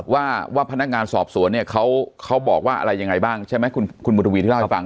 ว่าพนักงานสอบสวนเนี่ยเขาบอกว่าอะไรยังไงบ้างใช่ไหมคุณบุทวีที่เล่าให้ฟัง